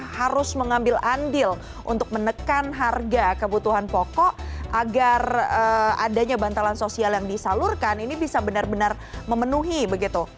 harus mengambil andil untuk menekan harga kebutuhan pokok agar adanya bantalan sosial yang disalurkan ini bisa benar benar memenuhi begitu